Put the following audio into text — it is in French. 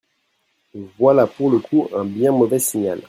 Voilà, pour le coup, un bien mauvais signal.